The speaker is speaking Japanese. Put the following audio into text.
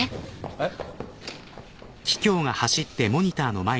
えっ？